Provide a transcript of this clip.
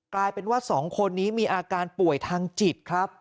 กลายเป็นว่า๒คนนี้มีอาการป่วยทางจิตครับ